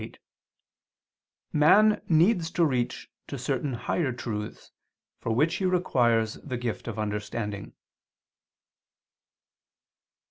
8), man needs to reach to certain higher truths, for which he requires the gift of understanding.